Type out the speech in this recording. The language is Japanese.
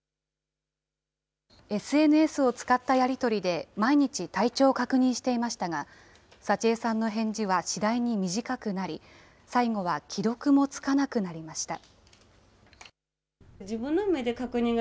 ＳＮＳを使ったやり取りで、毎日体調を確認していましたが、佐千江さんの返事は次第に短くなり、最後は既読も付かなくなりました。